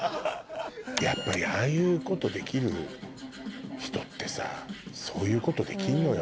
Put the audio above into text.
やっぱりああいうことできる人ってさそういうことできんのよ。